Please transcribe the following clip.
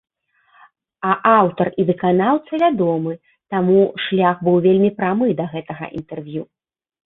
А аўтар і выканаўца вядомы, таму шлях быў вельмі прамы да гэтага інтэрв'ю.